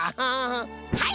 はい！